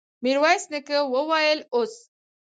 ميرويس نيکه وويل: اوس!